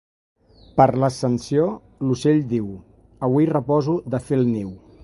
Per l'Ascensió, l'ocell diu: «Avui reposo de fer el niu».